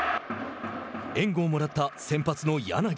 援護をもらった先発の柳。